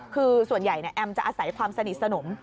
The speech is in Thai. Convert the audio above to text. คือส่วนใหญ่แอมจะอาศัยความสนิทสนม